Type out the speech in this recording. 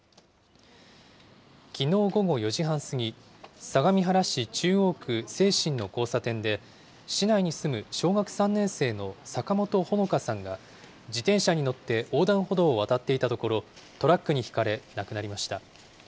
きのう午後４時半過ぎ、相模原市中央区清新の交差点で、市内に住む小学３年生の坂本穂香さんが、自転車に乗って横断歩道を渡っていたところ、トラックにひかれ亡くなりました。